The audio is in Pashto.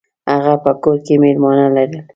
هغه په کور کې میلمانه لرل.